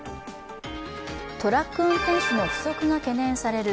トラック運転手の不足が懸念される